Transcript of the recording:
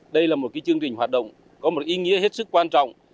đây là một chương trình hoạt động có một ý nghĩa hết sức quan trọng